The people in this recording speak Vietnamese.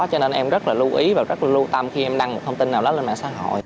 cho nên em rất là lưu ý và rất là lưu tâm khi em đăng một thông tin nào đó lên mạng xã hội